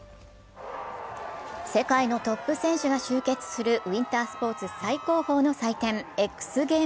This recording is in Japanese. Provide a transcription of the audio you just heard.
世界のトップ選手が集結するウインタースポーツ最高峰の祭典・ＸＧＡＭＥＳ。